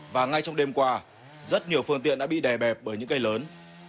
và ngay trong đêm qua rất nhiều phương tiện đã bị đè bẹp bởi những cây lớn